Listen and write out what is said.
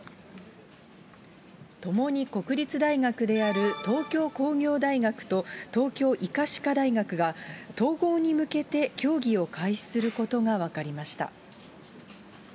ともに国立大学である東京工業大学と東京医科歯科大学が、統合に向けて協議を開始することが分かりました。